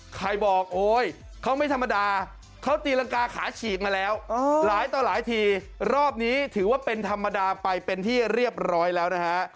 ใครบอกโอ๊ยเขาไม่ธรรมดาเขาตีรังกาขาฉีกมาแล้วหลายต่อหลายทีรอบนี้ถือว่าเป็นธรรมดาไปเป็นที่เรียบร้อยแล้วนะฮะ